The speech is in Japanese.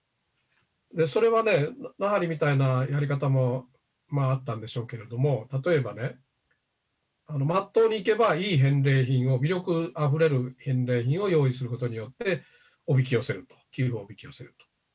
それはね、奈半利みたいなやり方もあったんでしょうけども、例えばね、まっとうにいけばいい返礼品を、魅力あふれる返礼品を用意することによっておびき寄せる、寄付をおびき寄せる。